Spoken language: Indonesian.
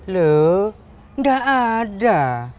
lu nggak ada